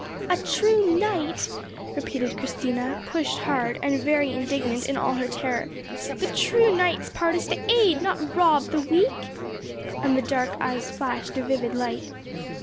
"A true knight!" repeated Christina, pushed hard, and very indignant in all her terror. "The true knight's part is to aid, not rob, the weak." And the dark eyes flashed a vivid light.